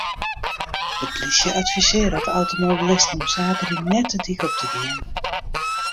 De plysje advisearret automobilisten om saterdei net de dyk op te gean.